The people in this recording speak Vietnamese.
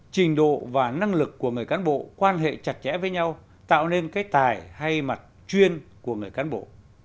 trình độ và năng lực của người cán bộ quan hệ chặt chẽ với nhau tạo nên cái tài hay mặt chuyên của người cán bộ